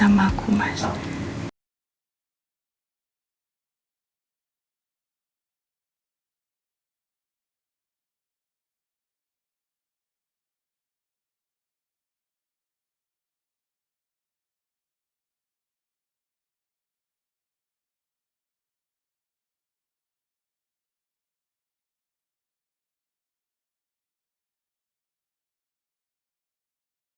hati aku masih gak menentu